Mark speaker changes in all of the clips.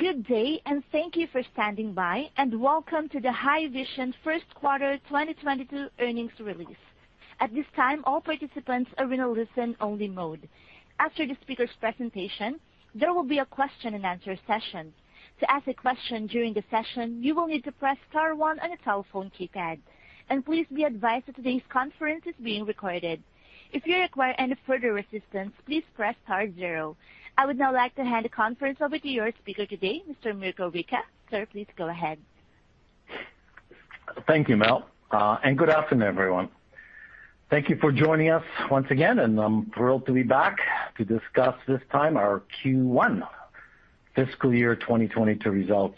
Speaker 1: Good day, and thank you for standing by, and welcome to the Haivision first quarter 2022 earnings release. At this time, all participants are in a listen-only mode. After the speaker's presentation, there will be a question and answer session. To ask a question during the session, you will need to press star one on your telephone keypad. Please be advised that today's conference is being recorded. If you require any further assistance, please press star zero. I would now like to hand the conference over to your speaker today, Mr. Mirko Wicha. Sir, please go ahead.
Speaker 2: Thank you, Mel. Good afternoon, everyone. Thank you for joining us once again, and I'm thrilled to be back to discuss this time our Q1 fiscal year 2022 results.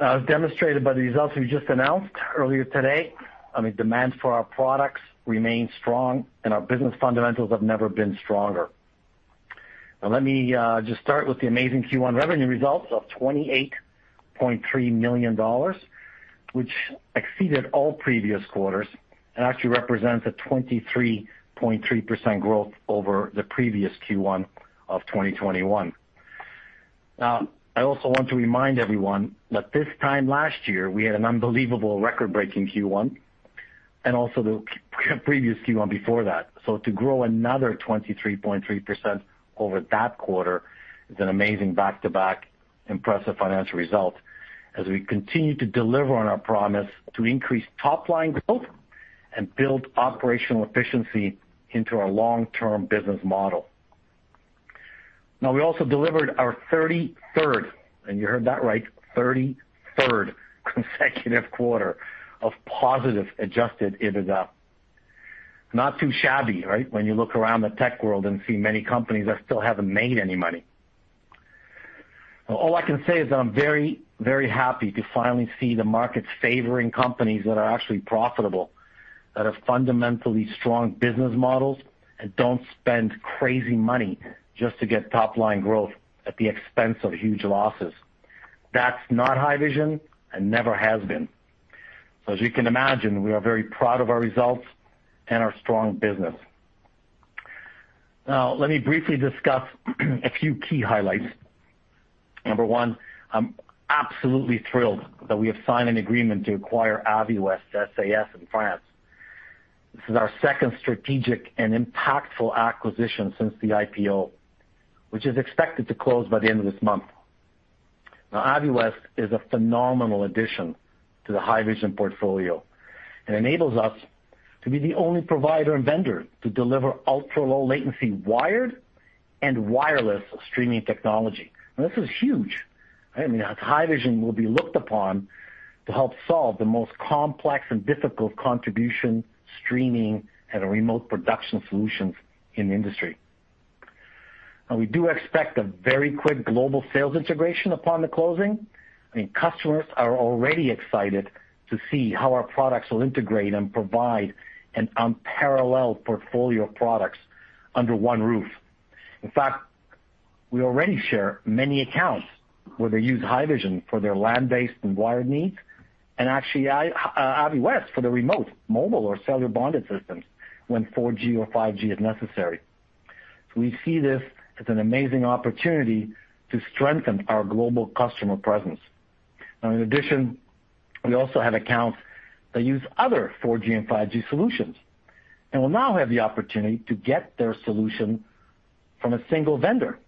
Speaker 2: As demonstrated by the results we just announced earlier today, I mean, demand for our products remains strong, and our business fundamentals have never been stronger. Now let me just start with the amazing Q1 revenue results of $28.3 million, which exceeded all previous quarters and actually represents a 23.3% growth over the previous Q1 of 2021. Now, I also want to remind everyone that this time last year, we had an unbelievable record-breaking Q1 and also the previous Q1 before that. To grow another 23.3% over that quarter is an amazing back-to-back impressive financial result as we continue to deliver on our promise to increase top-line growth and build operational efficiency into our long-term business model. Now, we also delivered our 33rd, and you heard that right, 33rd consecutive quarter of positive adjusted EBITDA. Not too shabby, right? When you look around the tech world and see many companies that still haven't made any money. All I can say is I'm very, very happy to finally see the market favoring companies that are actually profitable, that are fundamentally strong business models, and don't spend crazy money just to get top line growth at the expense of huge losses. That's not Haivision and never has been. As you can imagine, we are very proud of our results and our strong business. Now, let me briefly discuss a few key highlights. Number one, I'm absolutely thrilled that we have signed an agreement to acquire Aviwest SAS in France. This is our second strategic and impactful acquisition since the IPO, which is expected to close by the end of this month. Now, Aviwest is a phenomenal addition to the Haivision portfolio. It enables us to be the only provider and vendor to deliver ultra-low latency wired and wireless streaming technology. This is huge. I mean, Haivision will be looked upon to help solve the most complex and difficult contribution streaming and remote production solutions in the industry. Now we do expect a very quick global sales integration upon the closing. I mean, customers are already excited to see how our products will integrate and provide an unparalleled portfolio of products under one roof. In fact, we already share many accounts where they use Haivision for their land-based and wired needs and actually I, Aviwest for the remote, mobile or cellular bonded systems when 4G or 5G is necessary. We see this as an amazing opportunity to strengthen our global customer presence. Now, in addition, we also have accounts that use other 4G and 5G solutions, and we'll now have the opportunity to get their solution from a single vendor.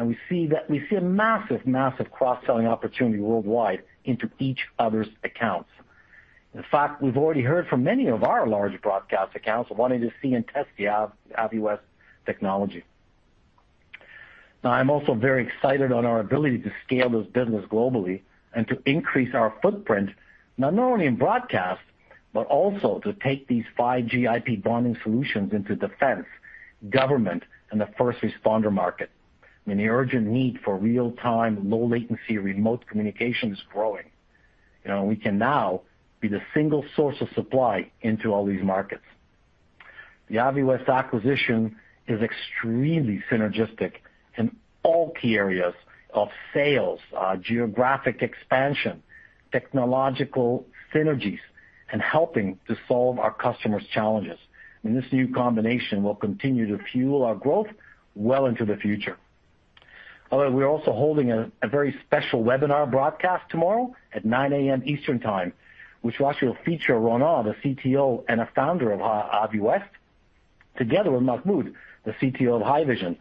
Speaker 2: We see a massive cross-selling opportunity worldwide into each other's accounts. In fact, we've already heard from many of our large broadcast accounts wanting to see and test the Aviwest technology. Now, I'm also very excited on our ability to scale this business globally and to increase our footprint, not only in broadcast, but also to take these 5G IP bonding solutions into defense, government, and the first responder market. I mean, the urgent need for real-time, low latency remote communication is growing. You know, we can now be the single source of supply into all these markets. The Aviwest acquisition is extremely synergistic in all key areas of sales, geographic expansion, technological synergies, and helping to solve our customers' challenges. And this new combination will continue to fuel our growth well into the future. Although we're also holding a very special webinar broadcast tomorrow at 9 A.M. Eastern Time, which will actually feature Ronan, the CTO and a founder of Haivision-Aviwest, together with Mahmoud, the CTO of Haivision.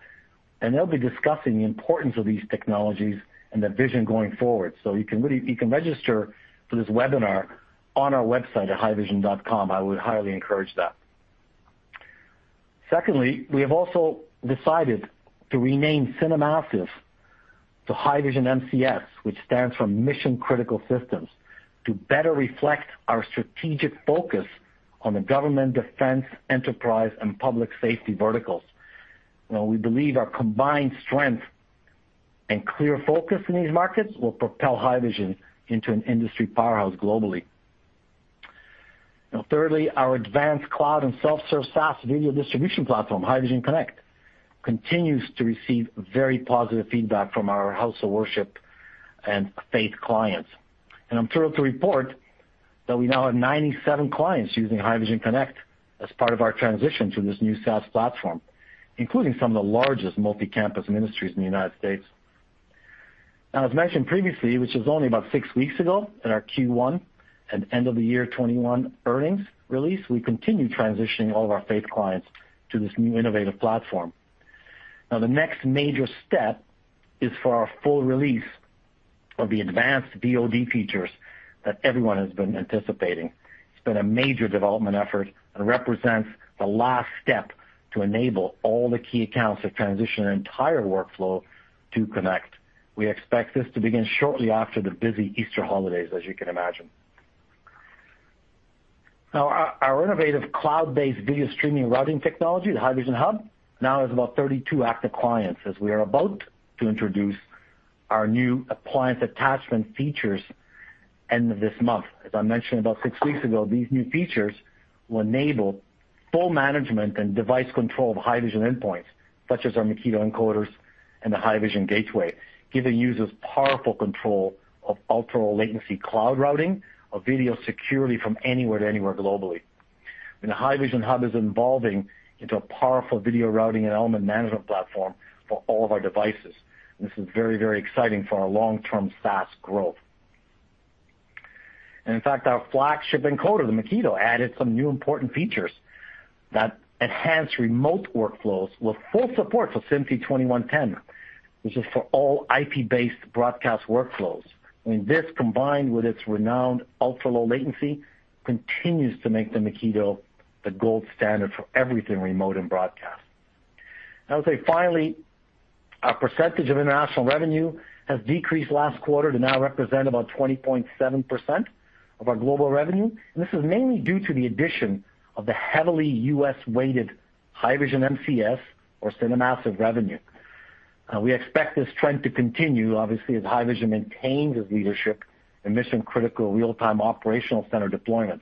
Speaker 2: They'll be discussing the importance of these technologies and the vision going forward. You can register for this webinar on our website at haivision.com. I would highly encourage that. Secondly, we have also decided to rename CineMassive to Haivision MCS, which stands for Mission Critical Systems, to better reflect our strategic focus on the government, defense, enterprise, and public safety verticals. You know, we believe our combined strength and clear focus in these markets will propel Haivision into an industry powerhouse globally. Now, thirdly, our advanced cloud and self-serve SaaS video distribution platform, Haivision Connect, continues to receive very positive feedback from our house of worship and faith clients. I'm thrilled to report that we now have 97 clients using Haivision Connect as part of our transition to this new SaaS platform, including some of the largest multi-campus ministries in the United States. Now, as mentioned previously, which is only about six weeks ago in our Q1 and end of 2021 earnings release, we continue transitioning all of our faith clients to this new innovative platform. Now, the next major step is for our full release of the advanced VOD features that everyone has been anticipating. It's been a major development effort and represents the last step to enable all the key accounts to transition their entire workflow to Connect. We expect this to begin shortly after the busy Easter holidays, as you can imagine. Now, our innovative cloud-based video streaming routing technology, the Haivision Hub, now has about 32 active clients as we are about to introduce our new appliance attachment features end of this month. As I mentioned about six weeks ago, these new features will enable full management and device control of Haivision endpoints, such as our Makito encoders and the Haivision gateway, giving users powerful control of ultra-low latency cloud routing of video security from anywhere to anywhere globally. The Haivision Hub is evolving into a powerful video routing and element management platform for all of our devices. This is very, very exciting for our long-term SaaS growth. In fact, our flagship encoder, the Makito, added some new important features that enhance remote workflows with full support for SMPTE 2110, which is for all IP-based broadcast workflows. I mean, this combined with its renowned ultra-low latency continues to make the Makito the gold standard for everything remote in broadcast. I would say finally, our percentage of international revenue has decreased last quarter to now represent about 20.7% of our global revenue. This is mainly due to the addition of the heavily U.S.-weighted Haivision MCS or CineMassive revenue. We expect this trend to continue, obviously, as Haivision maintains its leadership in mission-critical real-time operational center deployments.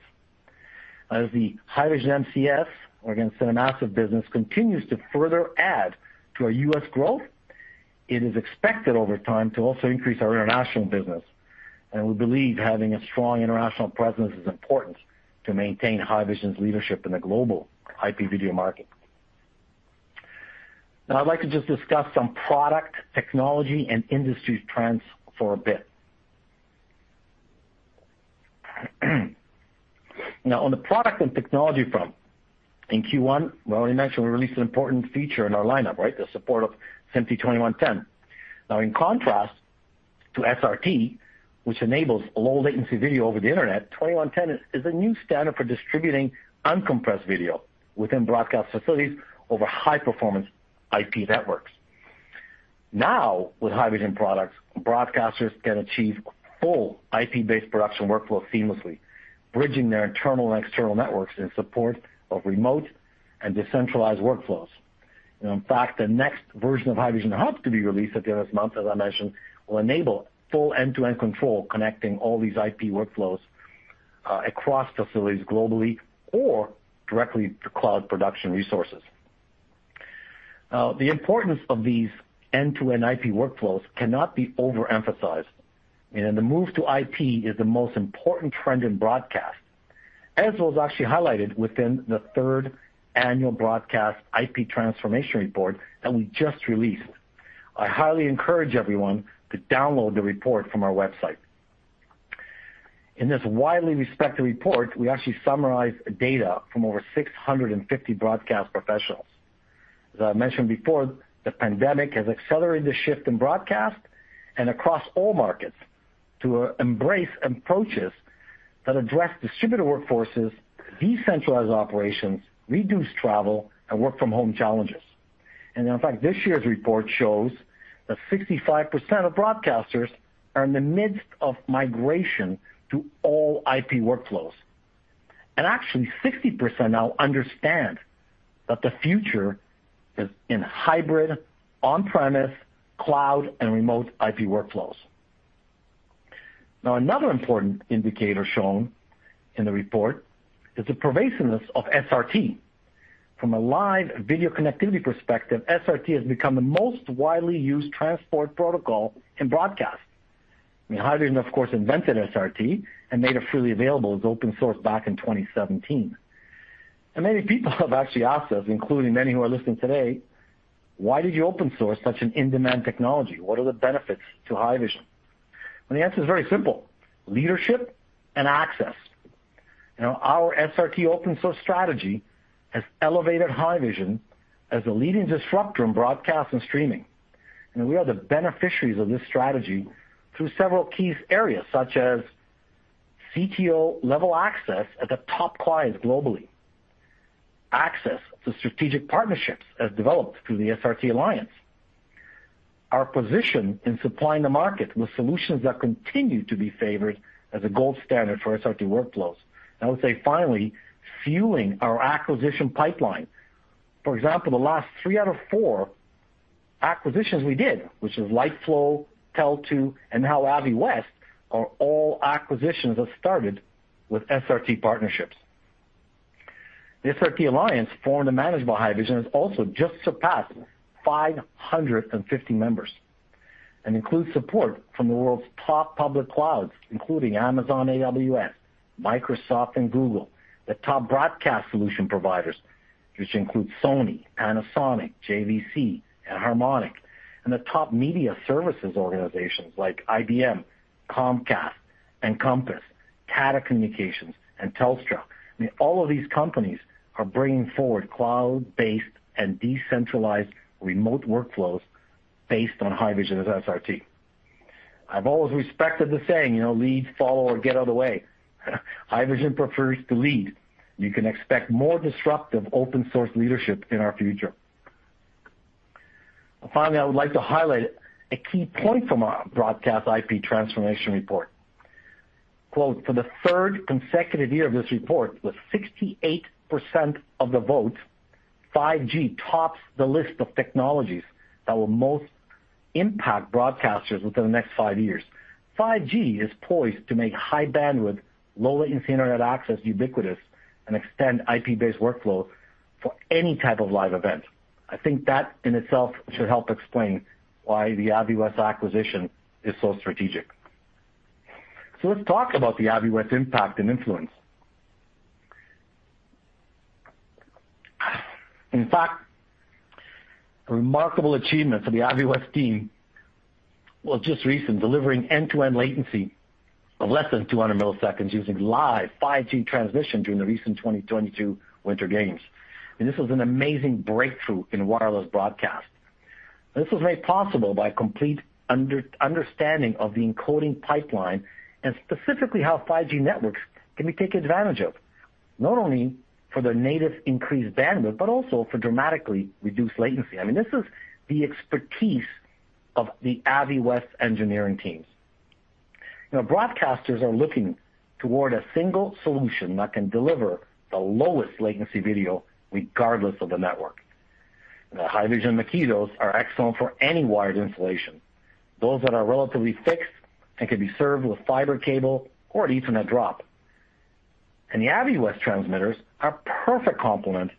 Speaker 2: As the Haivision MCS or again, CineMassive business continues to further add to our U.S. growth, it is expected over time to also increase our international business. We believe having a strong international presence is important to maintain Haivision's leadership in the global IP video market. Now, I'd like to just discuss some product, technology, and industry trends for a bit. Now, on the product and technology front, in Q1, we already mentioned we released an important feature in our lineup, right? The support of SMPTE 2110. Now, in contrast to SRT, which enables low latency video over the Internet, 2110 is a new standard for distributing uncompressed video within broadcast facilities over high-performance IP networks. Now, with Haivision products, broadcasters can achieve full IP-based production workflow seamlessly, bridging their internal and external networks in support of remote and decentralized workflows. In fact, the next version of Haivision Hub to be released at the end of this month, as I mentioned, will enable full end-to-end control, connecting all these IP workflows across facilities globally or directly to cloud production resources. The importance of these end-to-end IP workflows cannot be overemphasized. The move to IP is the most important trend in broadcast, as was actually highlighted within the third annual Broadcast IP Transformation Report that we just released. I highly encourage everyone to download the report from our website. In this widely respected report, we actually summarize data from over 650 broadcast professionals. As I mentioned before, the pandemic has accelerated the shift in broadcast and across all markets to embrace approaches that address distributed workforces, decentralized operations, reduced travel, and work from home challenges. In fact, this year's report shows that 65% of broadcasters are in the midst of migration to all IP workflows. Actually, 60% now understand that the future is in hybrid, on-premise, cloud, and remote IP workflows. Now, another important indicator shown in the report is the pervasiveness of SRT. From a live video connectivity perspective, SRT has become the most widely used transport protocol in broadcast. I mean, Haivision, of course, invented SRT and made it freely available as open source back in 2017. Many people have actually asked us, including many who are listening today, "Why did you open source such an in-demand technology? What are the benefits to Haivision?" The answer is very simple: leadership and access. You know, our SRT open source strategy has elevated Haivision as a leading disruptor in broadcast and streaming. We are the beneficiaries of this strategy through several key areas, such as CTO level access at the top clients globally, access to strategic partnerships as developed through the SRT Alliance, our position in supplying the market with solutions that continue to be favored as a gold standard for SRT workflows. I would say finally, fueling our acquisition pipeline. For example, the last three out of four acquisitions we did, which is LightFlow, Teltoo, and now Aviwest, are all acquisitions that started with SRT partnerships. The SRT Alliance formed and managed by Haivision has also just surpassed 550 members and includes support from the world's top public clouds, including Amazon AWS, Microsoft, and Google, the top broadcast solution providers, which include Sony, Panasonic, JVC, and Harmonic, and the top media services organizations like IBM, Comcast, Encompass, Tata Communications, and Telstra. I mean, all of these companies are bringing forward cloud-based and decentralized remote workflows based on Haivision's SRT. I've always respected the saying, you know, lead, follow, or get out of the way. Haivision prefers to lead. You can expect more disruptive open-source leadership in our future. Finally, I would like to highlight a key point from our Broadcast Transformation Report. For the third consecutive year of this report, with 68% of the vote, 5G tops the list of technologies that will most impact broadcasters within the next 5 years." 5G is poised to make high bandwidth, low latency internet access ubiquitous and extend IP-based workflow for any type of live event. I think that in itself should help explain why the Aviwest acquisition is so strategic. So let's talk about the Aviwest impact and influence. In fact, a remarkable achievement for the Aviwest team was just recent, delivering end-to-end latency of less than 200 milliseconds using live 5G transmission during the recent 2022 Winter Games. This was an amazing breakthrough in wireless broadcast. This was made possible by complete understanding of the encoding pipeline and specifically how 5G networks can be taken advantage of, not only for their native increased bandwidth, but also for dramatically reduced latency. I mean, this is the expertise of the Aviwest engineering teams. Now, broadcasters are looking toward a single solution that can deliver the lowest latency video regardless of the network. The Haivision Makitos are excellent for any wired installation, those that are relatively fixed and can be served with fiber cable or an Ethernet drop. The Aviwest transmitters are perfect complement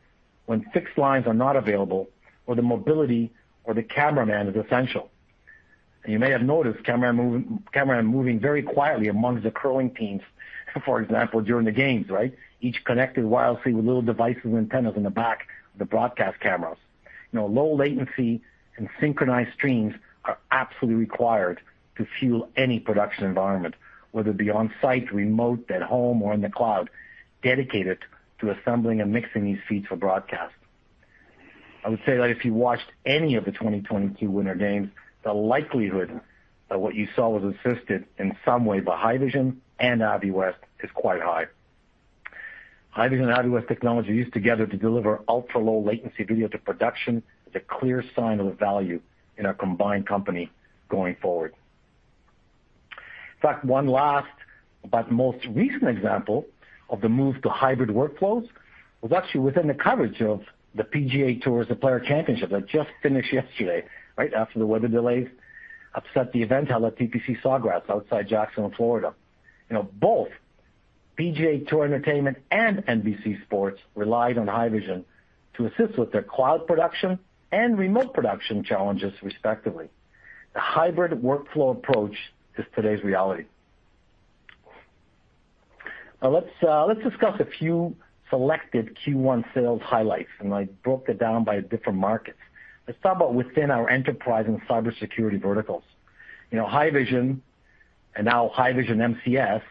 Speaker 2: when fixed lines are not available or the mobility or the cameraman is essential. You may have noticed cameramen moving very quietly amongst the curling teams, for example, during the games, right? Each connected wirelessly with little devices, antennas on the back of the broadcast cameras. You know, low latency and synchronized streams are absolutely required to fuel any production environment, whether it be on-site, remote, at home or in the cloud, dedicated to assembling and mixing these feeds for broadcast. I would say that if you watched any of the 2022 Winter Games, the likelihood that what you saw was assisted in some way by Haivision and Aviwest is quite high. Haivision and Aviwest technology used together to deliver ultra-low latency video to production is a clear sign of the value in our combined company going forward. In fact, one last but most recent example of the move to hybrid workflows was actually within the coverage of the PGA TOUR Players Championship that just finished yesterday right after the weather delays upset the event held at TPC Sawgrass outside Jacksonville, Florida. You know, both PGA TOUR Entertainment and NBC Sports relied on Haivision to assist with their cloud production and remote production challenges, respectively. The hybrid workflow approach is today's reality. Now, let's discuss a few selected Q1 sales highlights, and I broke it down by different markets. Let's talk about within our enterprise and cybersecurity verticals. You know, Haivision and now Haivision MCS,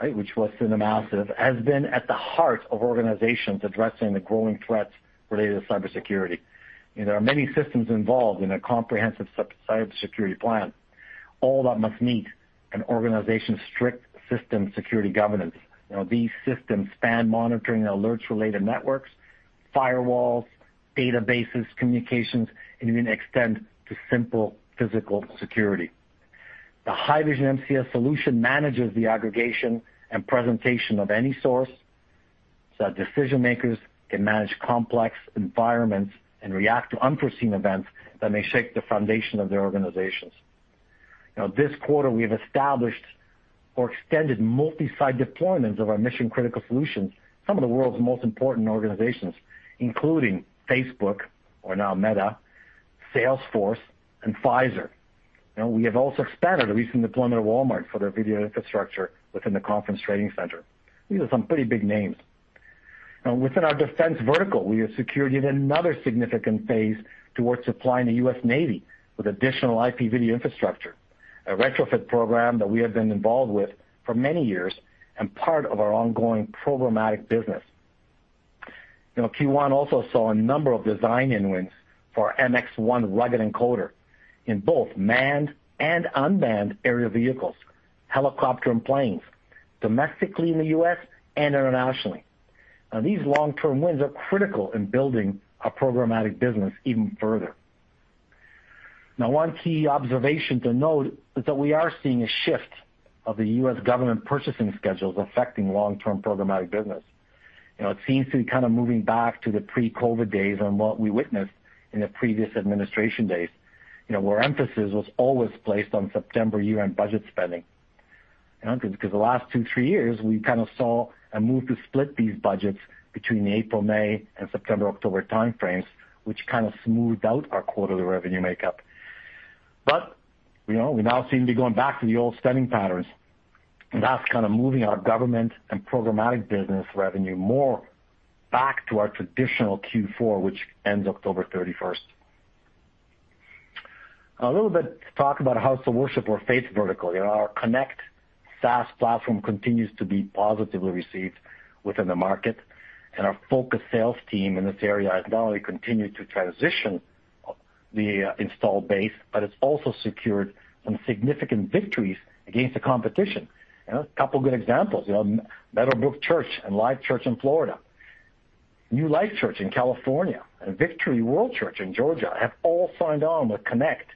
Speaker 2: right, which was CineMassive, has been at the heart of organizations addressing the growing threats related to cybersecurity. You know, there are many systems involved in a comprehensive cybersecurity plan, all that must meet an organization's strict system security governance. You know, these systems span monitoring alerts related networks, firewalls, databases, communications, and even extend to simple physical security. The Haivision MCS solution manages the aggregation and presentation of any source so that decision-makers can manage complex environments and react to unforeseen events that may shake the foundation of their organizations. You know, this quarter we have established or extended multi-site deployments of our mission-critical solutions to some of the world's most important organizations, including Facebook or now Meta, Salesforce, and Pfizer. You know, we have also expanded a recent deployment of Walmart for their video infrastructure within the conference training center. These are some pretty big names. Now within our defense vertical, we have secured yet another significant phase towards supplying the U.S. Navy with additional IP video infrastructure, a retrofit program that we have been involved with for many years and part of our ongoing programmatic business. You know, Q1 also saw a number of design-in wins for our MX1 rugged encoder in both manned and unmanned aerial vehicles, helicopters and planes, domestically in the U.S. and internationally. Now, these long-term wins are critical in building our programmatic business even further. Now, one key observation to note is that we are seeing a shift of the U.S. government purchasing schedules affecting long-term programmatic business. You know, it seems to be kind of moving back to the pre-COVID days on what we witnessed in the previous administration days, you know, where emphasis was always placed on September year-end budget spending. Because the last two, three years, we kind of saw a move to split these budgets between the April, May, and September, October time frames, which kind of smoothed out our quarterly revenue makeup. you know, we now seem to be going back to the old spending patterns, and that's kind of moving our government and programmatic business revenue more back to our traditional Q4, which ends October thirty-first. A little bit to talk about house of worship or faith vertical. You know, our Connect SaaS platform continues to be positively received within the market, and our focus sales team in this area has not only continued to transition the installed base, but it's also secured some significant victories against the competition. You know, a couple good examples, you know, Meadowbrook Church and Life Church in Florida, New Life Church in California, and Victory World Church in Georgia have all signed on with Connect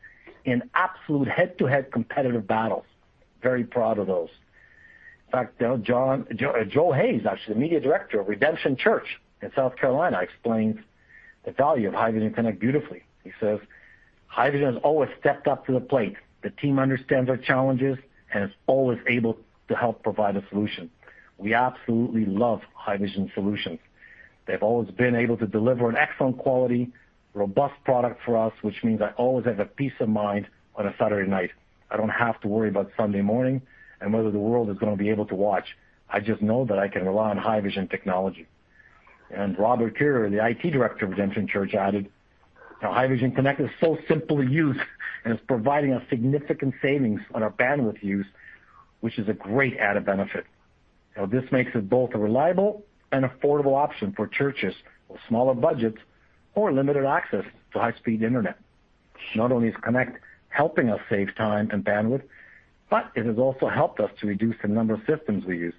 Speaker 2: in absolute head-to-head competitive battles. Very proud of those. In fact, Joe Hayes, actually, the media director of Redemption Church in South Carolina, explains the value of Haivision Connect beautifully. He says, "Haivision has always stepped up to the plate. The team understands our challenges and is always able to help provide a solution. We absolutely love Haivision solutions. They've always been able to deliver an excellent quality, robust product for us, which means I always have a peace of mind on a Saturday night. I don't have to worry about Sunday morning and whether the world is gonna be able to watch. I just know that I can rely on Haivision technology." Robert Cuyar, the IT Director of Redemption Church, added, "Now Haivision Connect is so simple to use and is providing us significant savings on our bandwidth use, which is a great added benefit. Now this makes it both a reliable and affordable option for churches with smaller budgets or limited access to high-speed internet. Not only is Connect helping us save time and bandwidth, but it has also helped us to reduce the number of systems we use.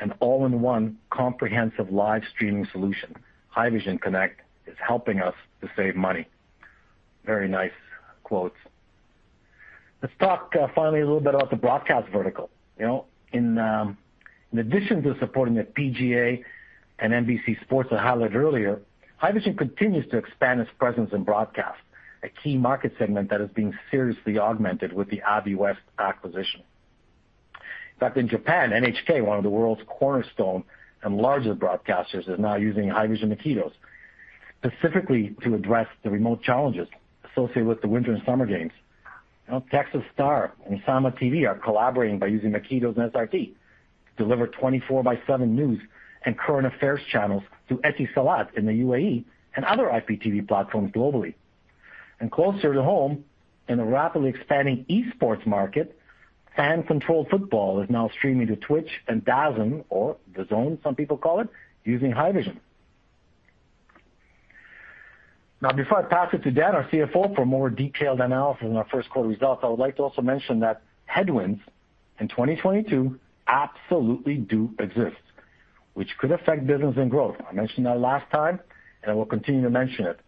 Speaker 2: An all-in-one comprehensive live streaming solution. Haivision Connect is helping us to save money. Very nice quotes. Let's talk finally a little bit about the broadcast vertical. You know, in addition to supporting the PGA and NBC Sports I highlighted earlier, Haivision continues to expand its presence in broadcast, a key market segment that is being seriously augmented with the Aviwest acquisition. In fact, in Japan, NHK, one of the world's cornerstone and largest broadcasters, is now using Haivision Makitos specifically to address the remote challenges associated with the winter and summer games. Texas Star and OnSama TV are collaborating by using Makito and SRT to deliver 24/7 news and current affairs channels through Etisalat in the UAE and other IPTV platforms globally. Closer to home, in the rapidly expanding esports market, Fan Controlled Football is now streaming to Twitch and DAZN, or The Zone, some people call it, using Haivision. Now before I pass it to Dan, our CFO, for a more detailed analysis on our first quarter results, I would like to also mention that headwinds in 2022 absolutely do exist, which could affect business and growth. I mentioned that last time, and I will continue to mention it.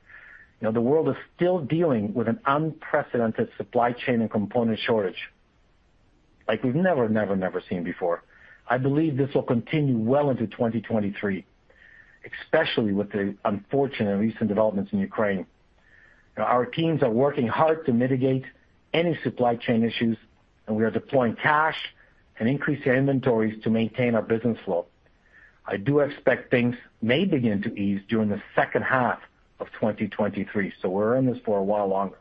Speaker 2: You know, the world is still dealing with an unprecedented supply chain and component shortage like we've never seen before. I believe this will continue well into 2023, especially with the unfortunate recent developments in Ukraine. Our teams are working hard to mitigate any supply chain issues, and we are deploying cash and increasing inventories to maintain our business flow. I do expect things may begin to ease during the second half of 2023, so we're in this for a while longer.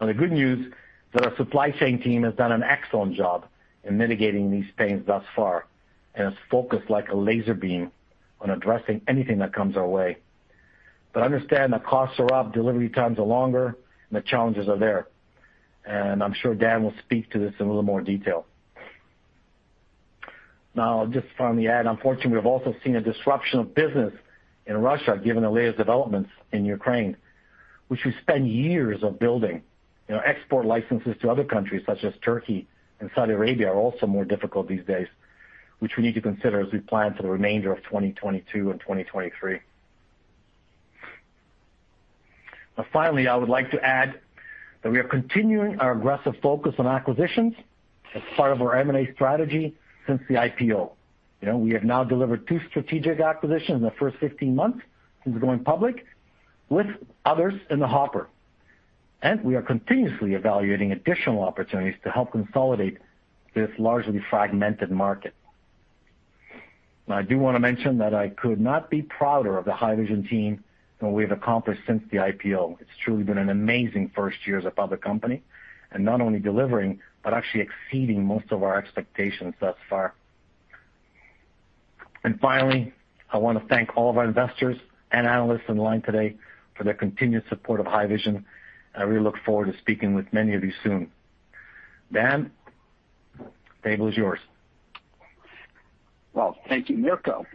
Speaker 2: Now, the good news is that our supply chain team has done an excellent job in mitigating these pains thus far, and it's focused like a laser beam on addressing anything that comes our way. But understand that costs are up, delivery times are longer, and the challenges are there. I'm sure Dan will speak to this in a little more detail. Now, I'll just finally add, unfortunately, we've also seen a disruption of business in Russia, given the latest developments in Ukraine, which we spent years of building. You know, export licenses to other countries such as Turkey and Saudi Arabia are also more difficult these days, which we need to consider as we plan for the remainder of 2022 and 2023. Now finally, I would like to add that we are continuing our aggressive focus on acquisitions as part of our M&A strategy since the IPO. You know, we have now delivered two strategic acquisitions in the first 15 months since going public with others in the hopper. We are continuously evaluating additional opportunities to help consolidate this largely fragmented market. Now, I do wanna mention that I could not be prouder of the Haivision team and what we have accomplished since the IPO. It's truly been an amazing first year as a public company, and not only delivering but actually exceeding most of our expectations thus far. Finally, I wanna thank all of our investors and analysts on the line today for their continued support of Haivision. I really look forward to speaking with many of you soon. Dan, the table is yours.
Speaker 3: Well, thank you, Mirko.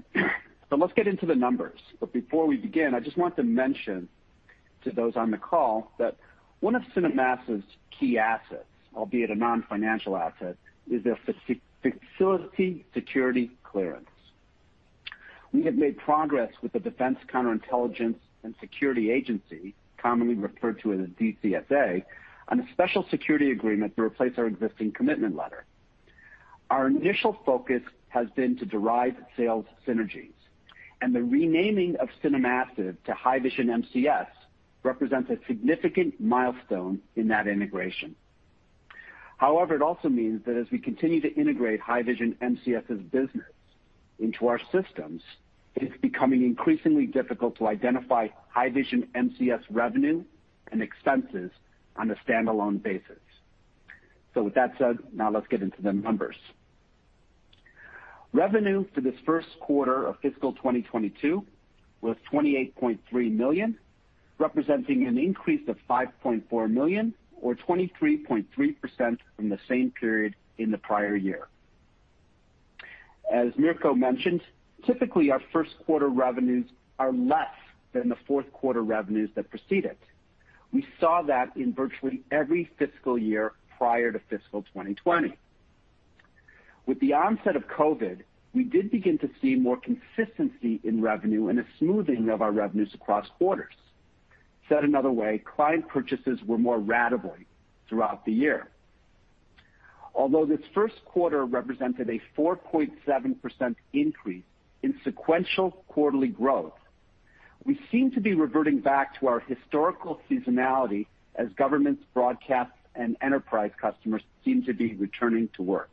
Speaker 3: Let's get into the numbers. Before we begin, I just want to mention to those on the call that one of CineMassive's key assets, albeit a non-financial asset, is their facility security clearance. We have made progress with the Defense Counterintelligence and Security Agency, commonly referred to as DCSA, on a special security agreement to replace our existing commitment letter. Our initial focus has been to derive sales synergies. The renaming of CineMassive to Haivision MCS represents a significant milestone in that integration. However, it also means that as we continue to integrate Haivision MCS's business into our systems, it is becoming increasingly difficult to identify Haivision MCS revenue and expenses on a standalone basis. With that said, now let's get into the numbers. Revenue for this first quarter of fiscal 2022 was $28.3 million, representing an increase of $5.4 million or 23.3% from the same period in the prior year. As Mirko mentioned, typically our first quarter revenues are less than the fourth quarter revenues that precede it. We saw that in virtually every fiscal year prior to fiscal 2020. With the onset of COVID, we did begin to see more consistency in revenue and a smoothing of our revenues across quarters. Said another way, client purchases were more ratably throughout the year. Although this first quarter represented a 4.7% increase in sequential quarterly growth, we seem to be reverting back to our historical seasonality as governments, broadcasters, and enterprise customers seem to be returning to work.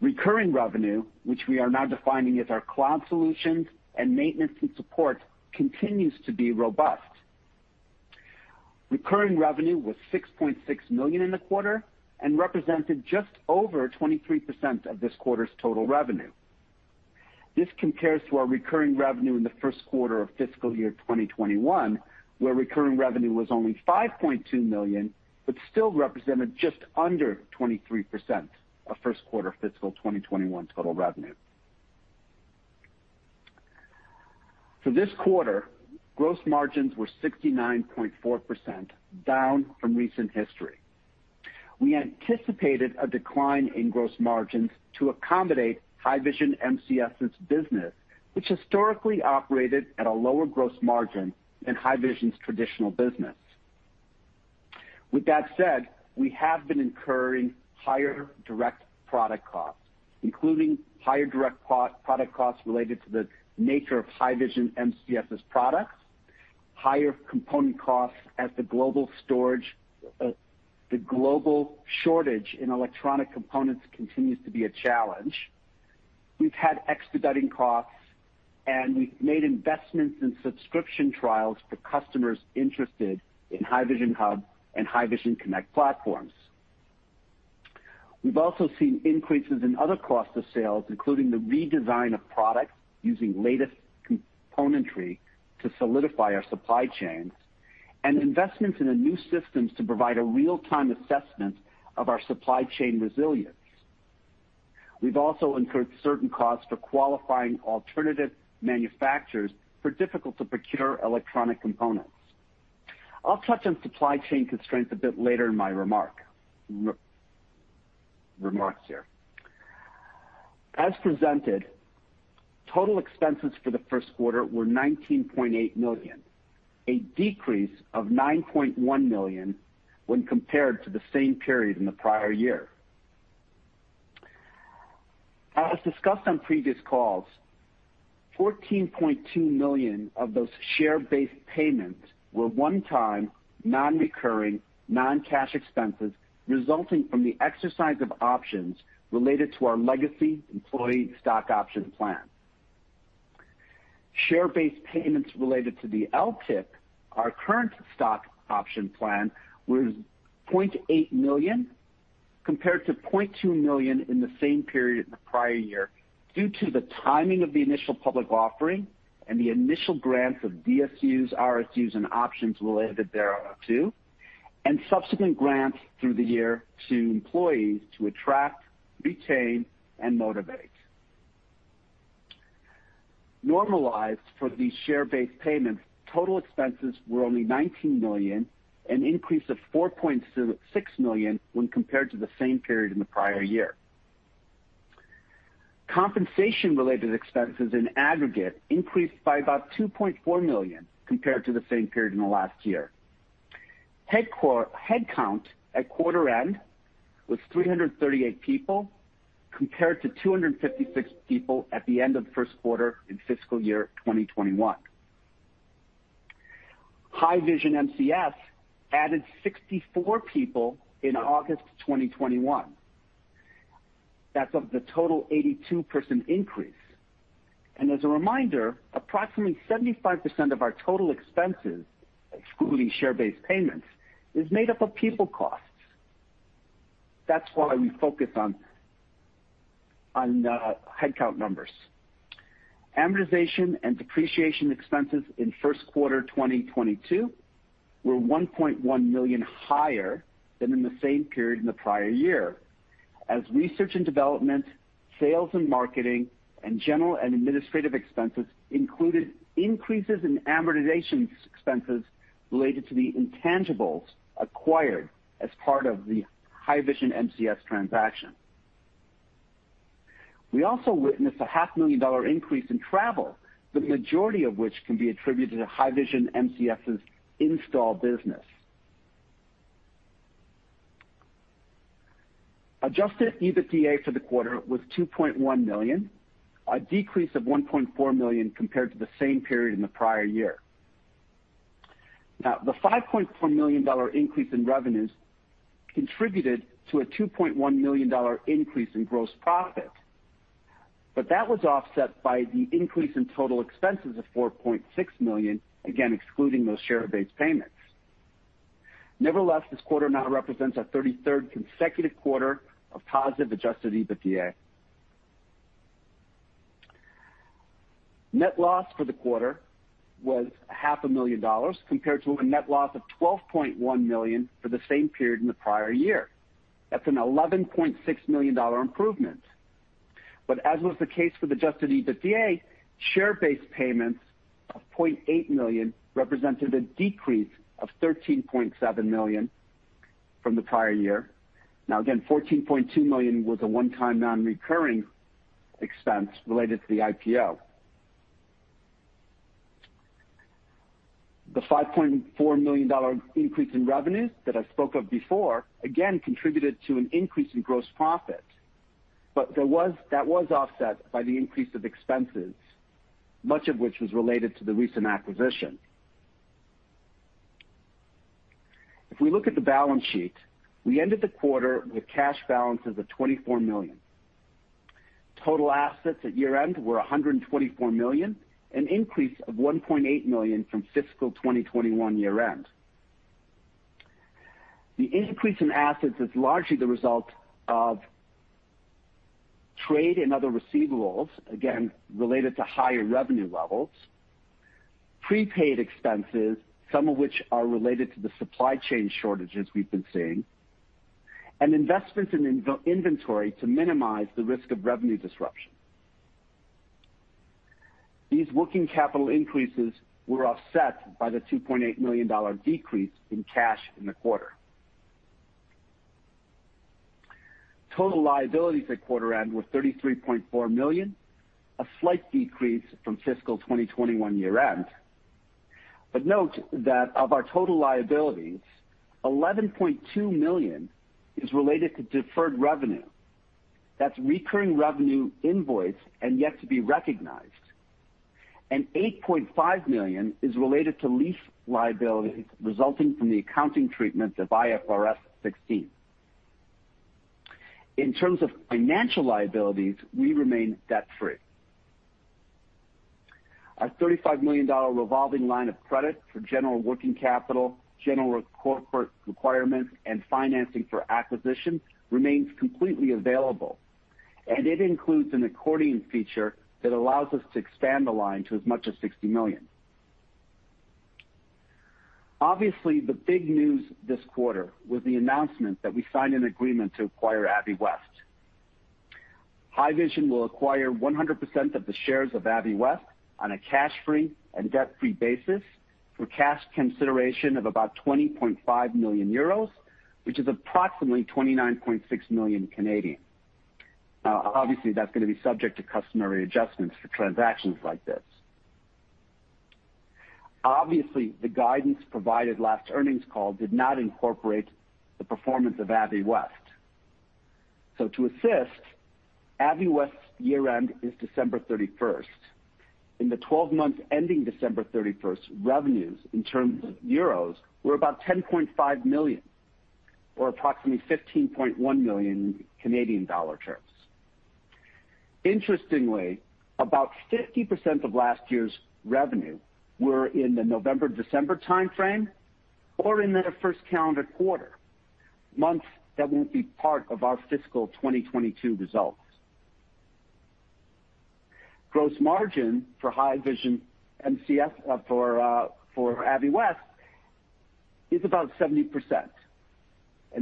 Speaker 3: Recurring revenue, which we are now defining as our cloud solutions and maintenance and support, continues to be robust. Recurring revenue was 6.6 million in the quarter and represented just over 23% of this quarter's total revenue. This compares to our recurring revenue in the first quarter of fiscal year 2021, where recurring revenue was only 5.2 million, but still represented just under 23% of first quarter fiscal 2021 total revenue. For this quarter, gross margins were 69.4%, down from recent history. We anticipated a decline in gross margins to accommodate Haivision MCS's business, which historically operated at a lower gross margin than Haivision's traditional business. With that said, we have been incurring higher direct product costs, including higher direct product costs related to the nature of Haivision MCS's products, higher component costs as the global storage, the global shortage in electronic components continues to be a challenge. We've had expediting costs, and we've made investments in subscription trials for customers interested in Haivision Hub and Haivision Connect platforms. We've also seen increases in other costs of sales, including the redesign of products using latest componentry to solidify our supply chains and investments in the new systems to provide a real-time assessment of our supply chain resilience. We've also incurred certain costs for qualifying alternative manufacturers for difficult-to-procure electronic components. I'll touch on supply chain constraints a bit later in my remarks here. As presented, total expenses for the first quarter were 19.8 million, a decrease of 9.1 million when compared to the same period in the prior year. As discussed on previous calls, 14.2 million of those share-based payments were one-time, non-recurring, non-cash expenses resulting from the exercise of options related to our legacy employee stock option plan. Share-based payments related to the LTIP, our current stock option plan, was 0.8 million compared to 0.2 million in the same period in the prior year, due to the timing of the initial public offering and the initial grants of DSUs, RSUs, and options related thereto, and subsequent grants through the year to employees to attract, retain, and motivate. Normalized for these share-based payments, total expenses were only 19 million, an increase of 4.6 million when compared to the same period in the prior year. Compensation-related expenses in aggregate increased by about 2.4 million compared to the same period in the last year. Headcount at quarter end was 338 people compared to 256 people at the end of the first quarter in fiscal year 2021. Haivision MCS added 64 people in August 2021. That's of the total 82-person increase. As a reminder, approximately 75% of our total expenses, excluding share-based payments, is made up of people costs. That's why we focus on headcount numbers. Amortization and depreciation expenses in first quarter 2022 were 1.1 million higher than in the same period in the prior year, as research and development, sales and marketing, and general and administrative expenses included increases in amortization expenses related to the intangibles acquired as part of the Haivision MCS transaction. We also witnessed a half-million CAD increase in travel, the majority of which can be attributed to Haivision MCS's install business. Adjusted EBITDA for the quarter was 2.1 million, a decrease of 1.4 million compared to the same period in the prior year. Now, the 5.4 million dollar increase in revenues contributed to a 2.1 million dollar increase in gross profit. That was offset by the increase in total expenses of 4.6 million, again, excluding those share-based payments. Nevertheless, this quarter now represents our 33rd consecutive quarter of positive adjusted EBITDA. Net loss for the quarter was CAD half a million compared to a net loss of 12.1 million for the same period in the prior year. That's a 11.6 million dollar improvement. As was the case for adjusted EBITDA, share-based payments of 0.8 million represented a decrease of 13.7 million from the prior year. Now, again, 14.2 million was a one-time non-recurring expense related to the IPO. The 5.4 million dollar increase in revenue that I spoke of before again contributed to an increase in gross profit. That was offset by the increase of expenses, much of which was related to the recent acquisition. If we look at the balance sheet, we ended the quarter with cash balances of 24 million. Total assets at year-end were 124 million, an increase of 1.8 million from fiscal 2021 year-end. The increase in assets is largely the result of trade and other receivables, again, related to higher revenue levels, prepaid expenses, some of which are related to the supply chain shortages we've been seeing, and investments in inventory to minimize the risk of revenue disruption. These working capital increases were offset by the 2.8 million dollar decrease in cash in the quarter. Total liabilities at quarter end were 33.4 million, a slight decrease from fiscal 2021 year-end. Note that of our total liabilities, 11.2 million is related to deferred revenue. That's recurring revenue invoiced and yet to be recognized. 8.5 million is related to lease liabilities resulting from the accounting treatment of IFRS 16. In terms of financial liabilities, we remain debt-free. Our 35 million dollar revolving line of credit for general working capital, general corporate requirements, and financing for acquisitions remains completely available, and it includes an accordion feature that allows us to expand the line to as much as 60 million. Obviously, the big news this quarter was the announcement that we signed an agreement to acquire Aviwest. Haivision will acquire 100% of the shares of Aviwest on a cash-free and debt-free basis for cash consideration of about 20.5 million euros, which is approximately 29.6 million. Obviously, that's gonna be subject to customary adjustments for transactions like this. Obviously, the guidance provided last earnings call did not incorporate the performance of Aviwest. To assist, Aviwest's year-end is December 31. In the 12 months ending December 31st, revenues in terms of euros were about 10.5 million or approximately 15.1 million Canadian dollar. Interestingly, about 50% of last year's revenue were in the November-December timeframe or in their first calendar quarter, months that won't be part of our fiscal 2022 results. Gross margin for Aviwest is about 70%.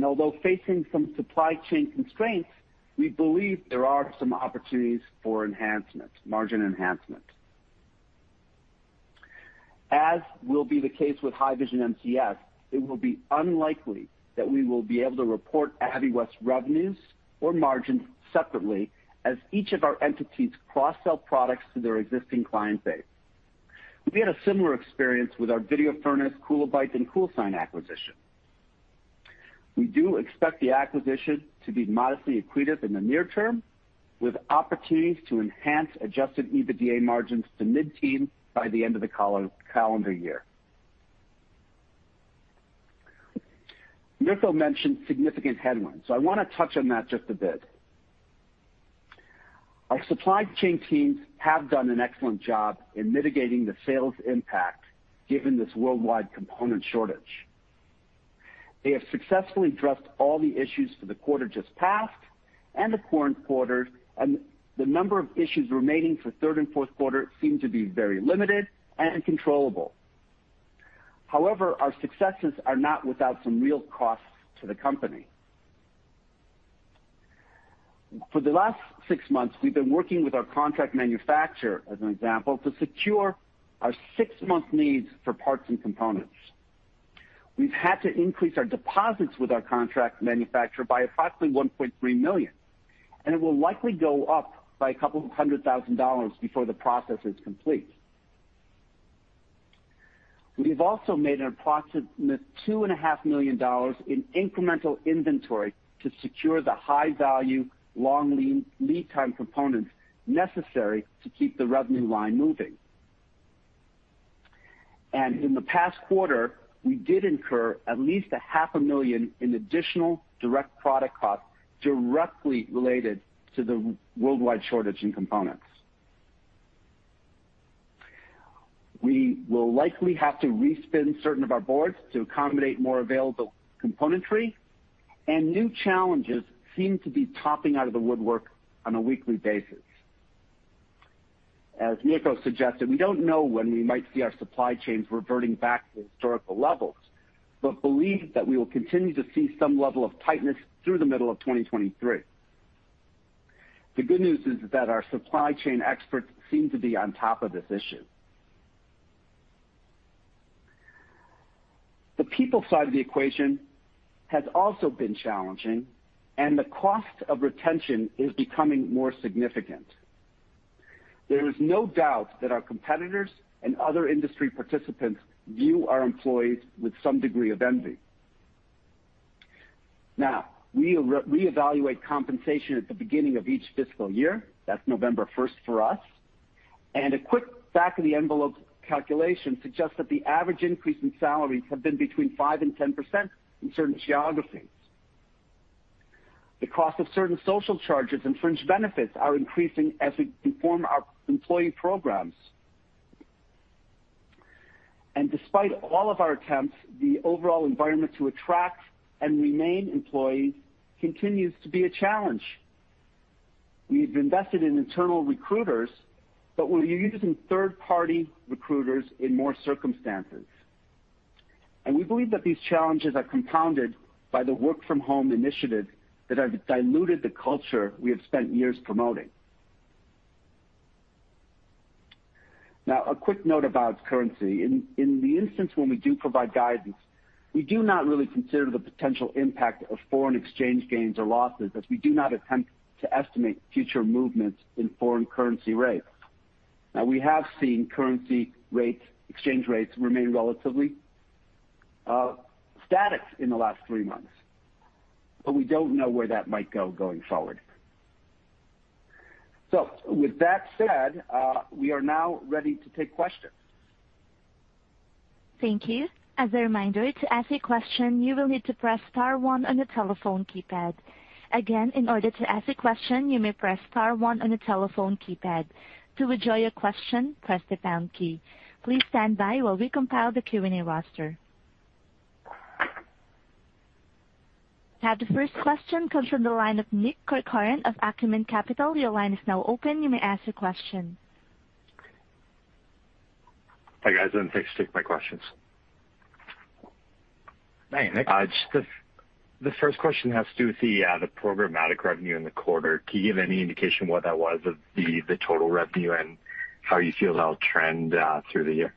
Speaker 3: Although facing some supply chain constraints, we believe there are some opportunities for enhancement, margin enhancement. As will be the case with Haivision MCS, it will be unlikely that we will be able to report Aviwest revenues or margins separately as each of our entities cross-sell products to their existing client base. We had a similar experience with our Video Furnace, KulaByte, and CoolSign acquisition. We do expect the acquisition to be modestly accretive in the near term, with opportunities to enhance adjusted EBITDA margins to mid-teens by the end of the calendar year. Mirko mentioned significant headwinds. I wanna touch on that just a bit. Our supply chain teams have done an excellent job in mitigating the sales impact given this worldwide component shortage. They have successfully addressed all the issues for the quarter just passed and the current quarter, and the number of issues remaining for third and fourth quarter seem to be very limited and controllable. However, our successes are not without some real costs to the company. For the last six months, we've been working with our contract manufacturer, as an example, to secure our six-month needs for parts and components. We've had to increase our deposits with our contract manufacturer by approximately $1.3 million, and it will likely go up by a couple of hundred thousand dollars before the process is complete. We've also made an approximate $2.5 million in incremental inventory to secure the high-value, long-lead-time components necessary to keep the revenue line moving. In the past quarter, we did incur at least half a million in additional direct product costs directly related to the worldwide shortage in components. We will likely have to respin certain of our boards to accommodate more available componentry, and new challenges seem to be popping out of the woodwork on a weekly basis. As Mirko suggested, we don't know when we might see our supply chains reverting back to historical levels, but we believe that we will continue to see some level of tightness through the middle of 2023. The good news is that our supply chain experts seem to be on top of this issue. The people side of the equation has also been challenging, and the cost of retention is becoming more significant. There is no doubt that our competitors and other industry participants view our employees with some degree of envy. Now, we reevaluate compensation at the beginning of each fiscal year. That's November 1 for us. A quick back of the envelope calculation suggests that the average increase in salaries have been between 5% and 10% in certain geographies. The cost of certain social charges and fringe benefits are increasing as we enhance our employee programs. Despite all of our attempts, the overall environment to attract and retain employees continues to be a challenge. We've invested in internal recruiters, but we're using third-party recruiters in more circumstances. We believe that these challenges are compounded by the work from home initiative that have diluted the culture we have spent years promoting. Now, a quick note about currency. In the instance when we do provide guidance, we do not really consider the potential impact of foreign exchange gains or losses, as we do not attempt to estimate future movements in foreign currency rates. Now, we have seen currency rates, exchange rates remain relatively static in the last three months, but we don't know where that might go going forward. With that said, we are now ready to take questions.
Speaker 1: Thank you. As a reminder, to ask a question, you will need to press star one on your telephone keypad. Again, in order to ask a question, you may press star one on your telephone keypad. To withdraw your question, press the pound key. Please stand by while we compile the Q&A roster. Now, the first question comes from the line of Nick Corcoran of Acumen Capital. Your line is now open. You may ask your question.
Speaker 4: Hi, guys, thanks for taking my questions.
Speaker 2: Hey, Nick.
Speaker 4: Just the first question has to do with the programmatic revenue in the quarter. Can you give any indication what that was of the total revenue and how you feel that'll trend through the year?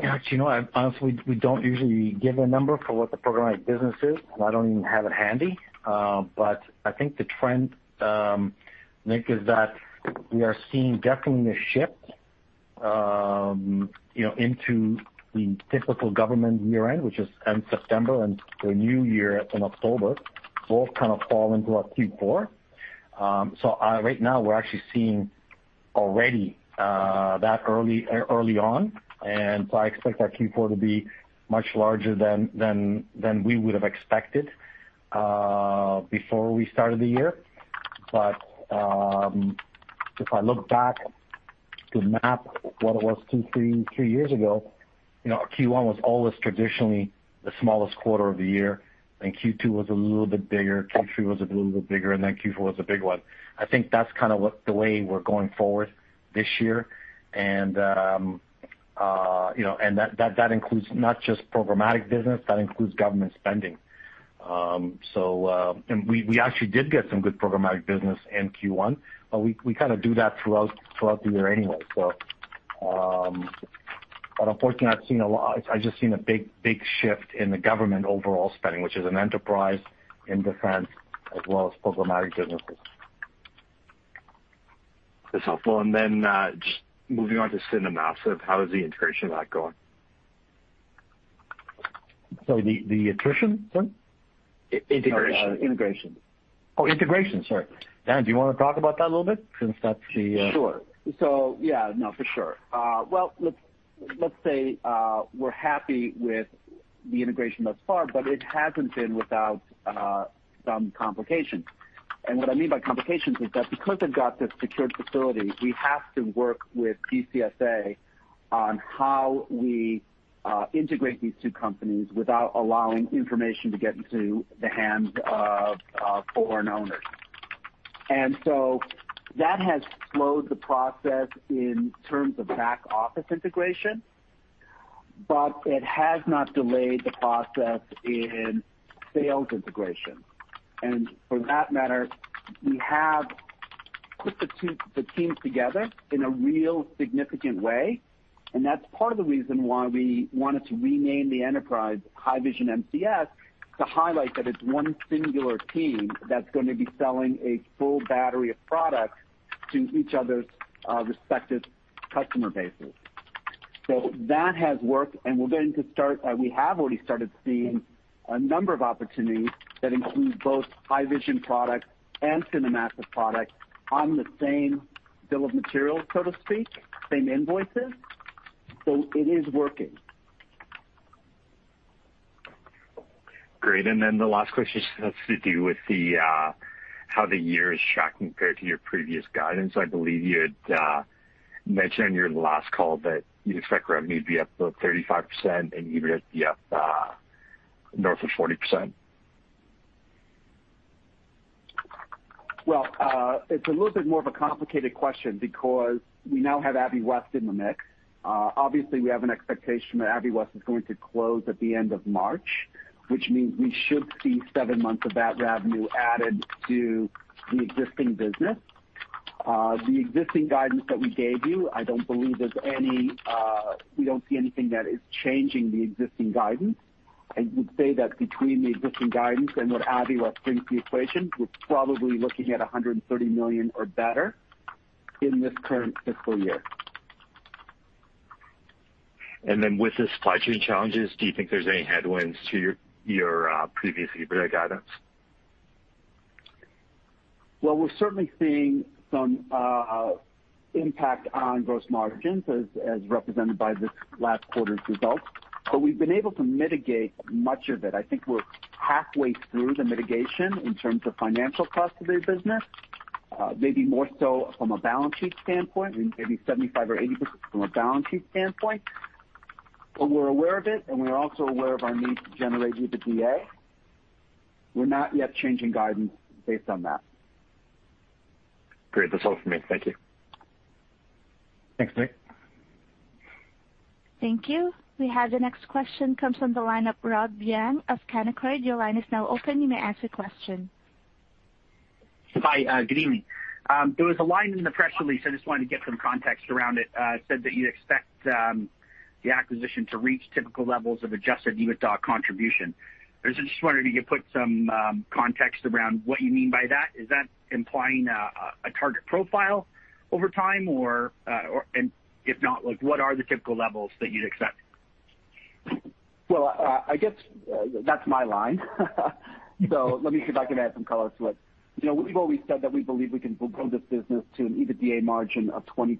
Speaker 2: Yeah, you know what? Honestly, we don't usually give a number for what the programmatic business is, and I don't even have it handy. I think the trend, Nick, is that we are seeing definitely a shift, you know, into the typical government year-end, which is end September, and the new year in October both kind of fall into our Q4. Right now, we're actually seeing already that early on, and I expect our Q4 to be much larger than we would have expected before we started the year. If I look back to map what it was two, three years ago, you know, our Q1 was always traditionally the smallest quarter of the year, and Q2 was a little bit bigger. Q3 was a little bit bigger, and then Q4 was the big one. I think that's kind of the way we're going forward this year. You know, and that includes not just programmatic business, that includes government spending. We actually did get some good programmatic business in Q1, but we kinda do that throughout the year anyway. Unfortunately, I've just seen a big shift in the government overall spending, which is an enterprise and defense as well as programmatic businesses.
Speaker 4: That's helpful. Just moving on to CineMassive, so how is the integration going?
Speaker 2: The attrition, sorry?
Speaker 4: I-integration.
Speaker 2: Oh, integration. Sorry. Dan, do you wanna talk about that a little bit since that's the.
Speaker 3: Sure. So, yeah, no, for sure. Well, let's say, we're happy with the integration thus far, but it hasn't been without some complications. What I mean by complications is that because they've got this secured facility, we have to work with DCSA on how we integrate these two companies without allowing information to get into the hands of foreign owners. That has slowed the process in terms of back-office integration, but it has not delayed the process in sales integration. For that matter, we have put the teams together in a real significant way. That's part of the reason why we wanted to rename the enterprise Haivision MCS to highlight that it's one singular team that's gonna be selling a full battery of products to each other's respective customer bases. That has worked, and we have already started seeing a number of opportunities that include both Haivision products and CineMassive products on the same bill of materials, so to speak, same invoices. It is working.
Speaker 4: Great. Then the last question just has to do with how the year is tracking compared to your previous guidance. I believe you had mentioned on your last call that you expect revenue to be up about 35% and EBITDA to be up north of 40%.
Speaker 3: Well, it's a little bit more of a complicated question because we now have Aviwest in the mix. Obviously, we have an expectation that Aviwest is going to close at the end of March, which means we should see seven months of that revenue added to the existing business. The existing guidance that we gave you, I don't believe there's any, we don't see anything that is changing the existing guidance. I would say that between the existing guidance and what Aviwest brings to the equation, we're probably looking at 130 million or better in this current fiscal year.
Speaker 4: With the supply chain challenges, do you think there's any headwinds to your previous EBITDA guidance?
Speaker 3: Well, we're certainly seeing some impact on gross margins as represented by this last quarter's results, but we've been able to mitigate much of it. I think we're halfway through the mitigation in terms of financial cost to the business, maybe more so from a balance sheet standpoint, maybe 75% or 80% from a balance sheet standpoint. We're aware of it, and we're also aware of our need to generate EBITDA. We're not yet changing guidance based on that.
Speaker 4: Great. That's all for me. Thank you.
Speaker 2: Thanks, Nick.
Speaker 1: Thank you. We have the next question comes from the line of Robert Young of Canaccord. Your line is now open. You may ask a question.
Speaker 5: Hi. Good evening. There was a line in the press release. I just wanted to get some context around it. It said that you expect the acquisition to reach typical levels of adjusted EBITDA contribution. I just wondered if you could put some context around what you mean by that. Is that implying a target profile over time, or and if not, like, what are the typical levels that you'd expect?
Speaker 3: Well, I guess, that's my line. Let me see if I can add some color to it. You know, we've always said that we believe we can build this business to an EBITDA margin of 20%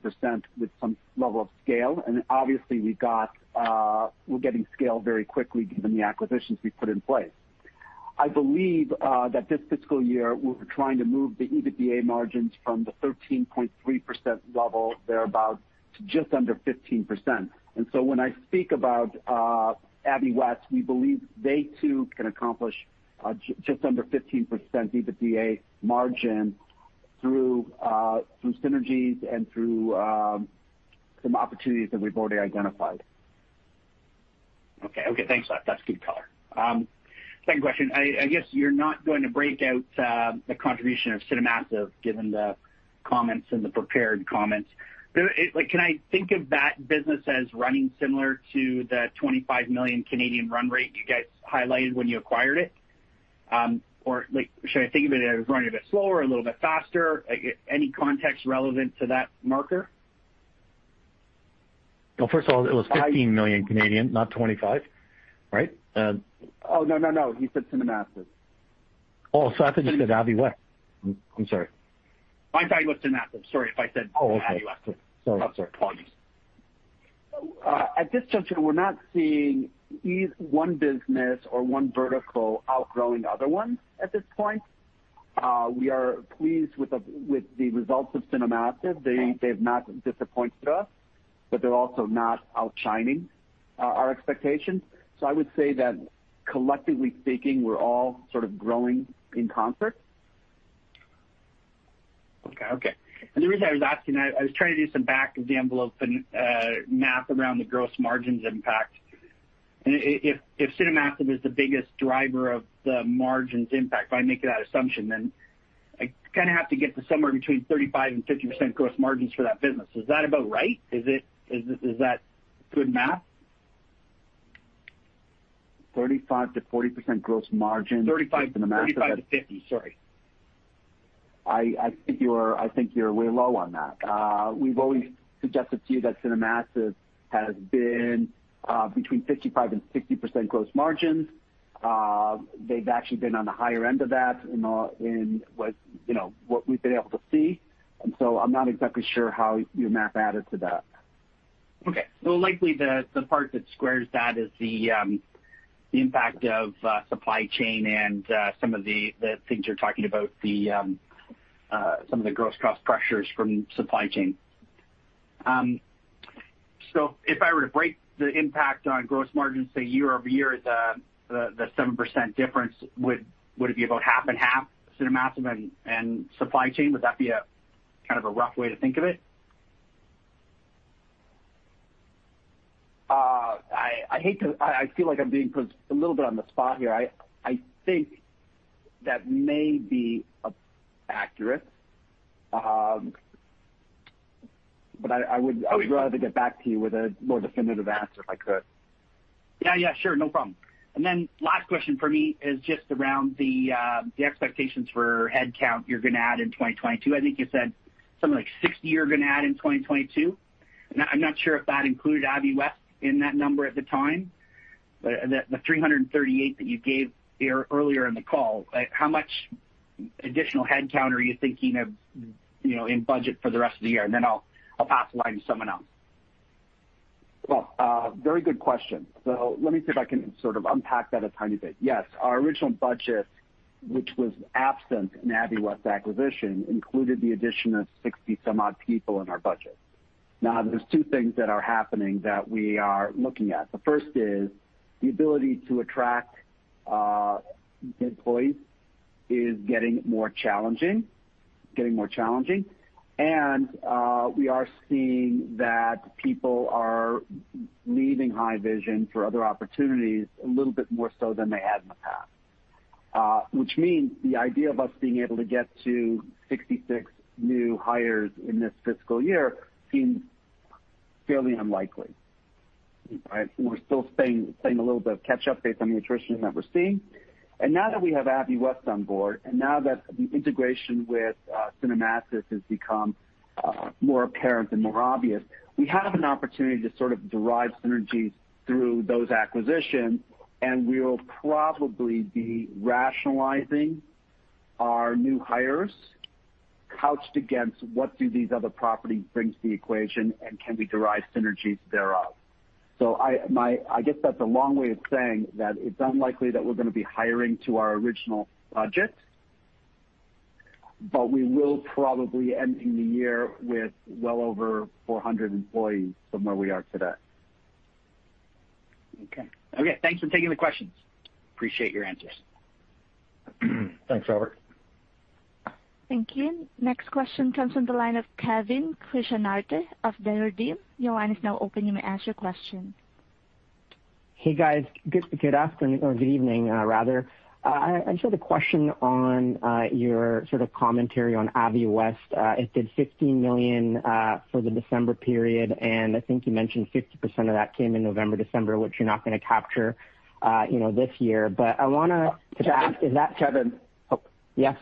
Speaker 3: with some level of scale. Obviously, we're getting scale very quickly given the acquisitions we put in place. I believe that this fiscal year, we're trying to move the EBITDA margins from the 13.3% level thereabout to just under 15%. When I speak about Aviwest, we believe they too can accomplish just under 15% EBITDA margin through synergies and some opportunities that we've already identified.
Speaker 5: Okay. Okay, thanks. That's good color. Second question. I guess you're not going to break out the contribution of CineMassive given the comments in the prepared comments. Like, can I think of that business as running similar to the 25 million run rate you guys highlighted when you acquired it? Like, should I think of it as running a bit slower, a little bit faster? Any context relevant to that metric?
Speaker 2: Well, first of all, it was 15 million, not 25, right?
Speaker 5: Oh, no, no. You said CineMassive.
Speaker 2: Oh, I thought you said Aviwest. I'm sorry.
Speaker 5: I thought you meant CineMassive. Sorry if I said Aviwest.
Speaker 2: Oh, okay. Sorry.
Speaker 5: No, I'm sorry. It's all you.
Speaker 3: At this juncture, we're not seeing either one business or one vertical outgrowing the other one at this point. We are pleased with the results of CineMassive. They've not disappointed us, but they're also not outshining our expectations. I would say that collectively speaking, we're all sort of growing in concert.
Speaker 5: Okay. The reason I was asking that, I was trying to do some back-of-the-envelope math around the gross margins impact. If CineMassive is the biggest driver of the margins impact, if I make that assumption, then I kinda have to get to somewhere between 35%-50% gross margins for that business. Is that about right? Is that good math?
Speaker 3: 35%-40% gross margin for CineMassive.
Speaker 5: 35-50, sorry.
Speaker 3: I think you're way low on that. We've always suggested to you that CineMassive has been between 55%-60% gross margins. They've actually been on the higher end of that in what you know we've been able to see. I'm not exactly sure how your math added to that.
Speaker 5: Okay. Likely the part that squares that is the impact of supply chain and some of the things you're talking about, some of the gross cost pressures from supply chain. If I were to break the impact on gross margins, say, year-over-year, the 7% difference, would it be about half and half CineMassive and supply chain? Would that be a kind of rough way to think of it?
Speaker 3: I feel like I'm being put a little bit on the spot here. I think that may be accurate, but I would-
Speaker 2: Oh, yeah.
Speaker 3: I would rather get back to you with a more definitive answer if I could.
Speaker 5: Yeah. Yeah, sure. No problem. Last question for me is just around the expectations for headcount you're gonna add in 2022. I think you said something like 60 you're gonna add in 2022. I'm not sure if that included Aviwest in that number at the time, but the 338 that you gave earlier in the call, like, how much additional headcount are you thinking of, you know, in budget for the rest of the year? Then I'll pass the line to someone else.
Speaker 3: Well, very good question. Let me see if I can sort of unpack that a tiny bit. Yes. Our original budget, which was absent an Aviwest acquisition, included the addition of 60-some odd people in our budget. Now, there are 2 things that are happening that we are looking at. The first is the ability to attract employees is getting more challenging. We are seeing that people are leaving Haivision for other opportunities a little bit more so than they had in the past. Which means the idea of us being able to get to 66 new hires in this fiscal year seems fairly unlikely, right? We're still playing a little bit of catch up based on the attrition that we're seeing. Now that we have Aviwest on board, and now that the integration with CineMassive has become more apparent and more obvious, we have an opportunity to sort of derive synergies through those acquisitions, and we will probably be rationalizing our new hires couched against what do these other properties bring to the equation, and can we derive synergies thereof. I guess that's a long way of saying that it's unlikely that we're gonna be hiring to our original budget, but we will probably end the year with well over 400 employees from where we are today.
Speaker 5: Okay. Okay, thanks for taking the questions. Appreciate your answers.
Speaker 3: Thanks, Robert.
Speaker 1: Thank you. Next question comes from the line of Kevin Krishnaratne of Desjardins Securities. Your line is now open. You may ask your question.
Speaker 6: Hey, guys. Good afternoon or good evening, rather. I just had a question on your sort of commentary on Aviwest. It did 50 million for the December period, and I think you mentioned 50% of that came in November, December, which you're not gonna capture, you know, this year. I wanna-
Speaker 3: Kevin.
Speaker 6: Is that? Yes.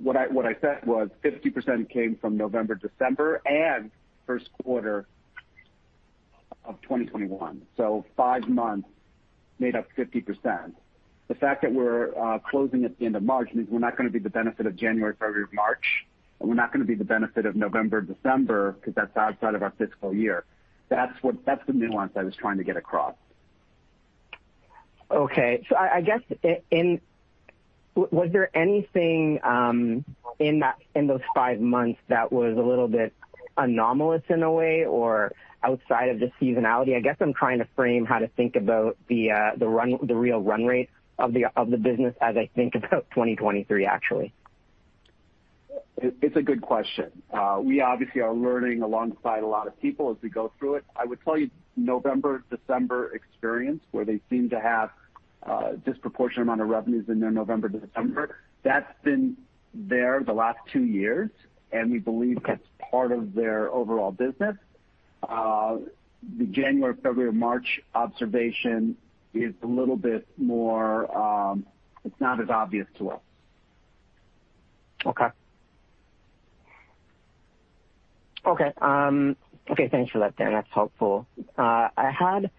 Speaker 3: What I said was 50% came from November, December, and first quarter of 2021. Five months made up 50%. The fact that we're closing at the end of March means we're not gonna get the benefit of January, February, March, and we're not gonna get the benefit of November, December because that's outside of our fiscal year. That's the nuance I was trying to get across.
Speaker 6: Okay. I guess, was there anything in those five months that was a little bit anomalous in a way or outside of the seasonality? I guess I'm trying to frame how to think about the real run rate of the business as I think about 2023, actually.
Speaker 3: It's a good question. We obviously are learning alongside a lot of people as we go through it. I would tell you November, December experience, where they seem to have a disproportionate amount of revenues in their November, December, that's been there the last two years, and we believe that's part of their overall business. The January, February, March observation is a little bit more, it's not as obvious to us.
Speaker 6: Thanks for that, Dan. That's helpful. I had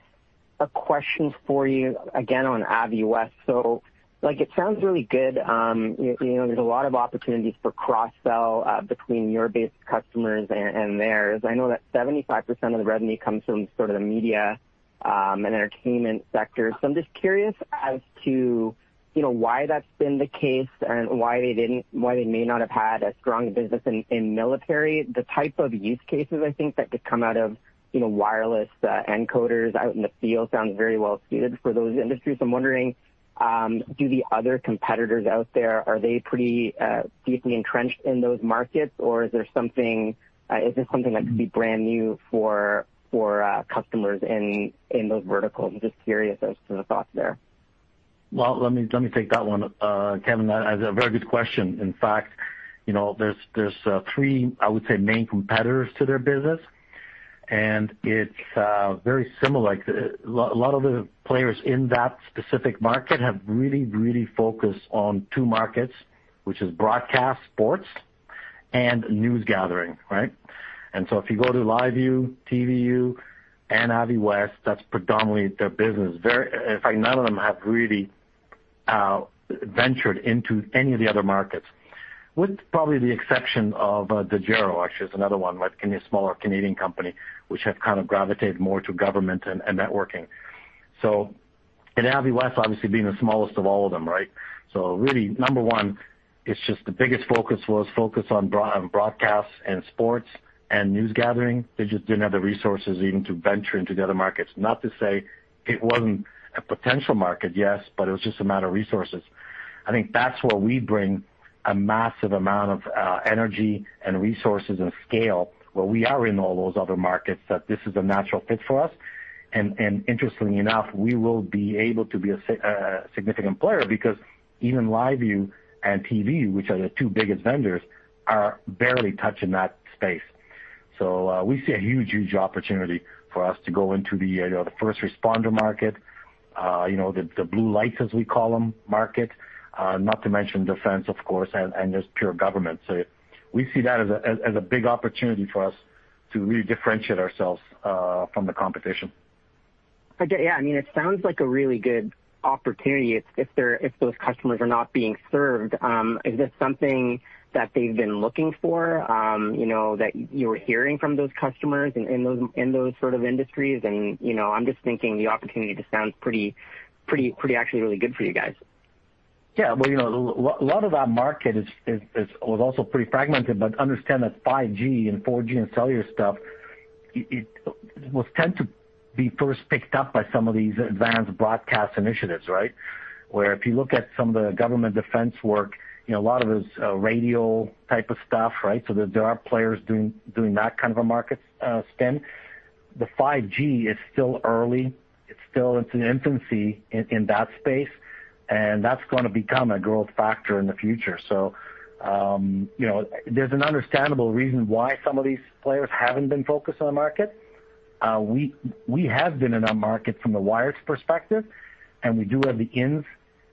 Speaker 6: a question for you again on Aviwest. Like, it sounds really good. You know, there's a lot of opportunities for cross-sell between your base customers and theirs. I know that 75% of the revenue comes from sort of the media and entertainment sector. I'm just curious as to why that's been the case and why they may not have had a strong business in military. The type of use cases, I think, that could come out of wireless encoders out in the field sounds very well suited for those industries. I'm wondering, do the other competitors out there, are they pretty deeply entrenched in those markets, or is there something, is this something that could be brand new for customers in those verticals? I'm just curious as to the thoughts there.
Speaker 2: Let me take that one. Kevin, that is a very good question. In fact, you know, there's three, I would say, main competitors to their business, and it's very similar. Like, a lot of the players in that specific market have really focused on two markets, which is broadcast sports and news gathering, right? If you go to LiveU, TVU, and Aviwest, that's predominantly their business. In fact, none of them have really ventured into any of the other markets, with probably the exception of Dejero, actually, is another one, like a smaller Canadian company which have kind of gravitated more to government and networking. Aviwest obviously being the smallest of all of them, right? Really, number one, it's just the biggest focus on broadcast and sports and news gathering. They just didn't have the resources even to venture into the other markets. Not to say it wasn't a potential market, yes, but it was just a matter of resources. I think that's where we bring a massive amount of energy and resources and scale, where we are in all those other markets, that this is a natural fit for us. Interestingly enough, we will be able to be a significant player because even LiveU and TVU, which are the two biggest vendors, are barely touching that space. We see a huge opportunity for us to go into the you know, the first responder market, you know, the blue lights, as we call them, market, not to mention defense, of course, and just pure government. We see that as a big opportunity for us to really differentiate ourselves from the competition.
Speaker 6: Okay. Yeah. I mean, it sounds like a really good opportunity if those customers are not being served. Is this something that they've been looking for, you know, that you were hearing from those customers in those sort of industries? You know, I'm just thinking the opportunity just sounds pretty actually really good for you guys.
Speaker 2: Yeah. Well, you know, a lot of that market was also pretty fragmented. Understand that 5G and 4G and cellular stuff tend to be first picked up by some of these advanced broadcast initiatives, right? Where if you look at some of the government defense work, you know, a lot of it is radio type of stuff, right? There are players doing that kind of a market spin. The 5G is still early. It's still in its infancy in that space, and that's gonna become a growth factor in the future. You know, there's an understandable reason why some of these players haven't been focused on the market. We have been in that market from the wires perspective, and we do have the ins